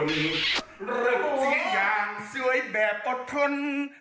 เริ่มต้นเสียงอย่างสวยแบบปลอดทน